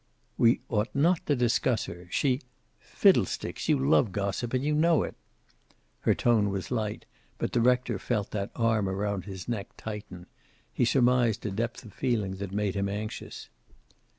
"We ought not to discuss her. She " "Fiddlesticks. You love gossip and you know it." Her tone was light, but the rector felt that arm around his neck tighten. He surmised a depth of feeling that made him anxious.